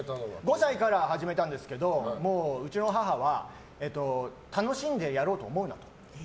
５歳から始めたんですけどもううちの母は楽しんでやろうと思うなと。